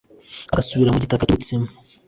agasubira mu gitaka yaturutsemo